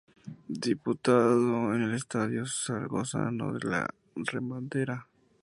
Disputado en el estadio zaragozano de La Romareda.